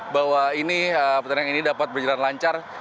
bahwa pertandingan ini dapat berjalan lancar